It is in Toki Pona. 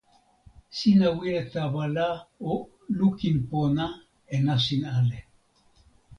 sina wile tawa la o lukin pona e nasin ale.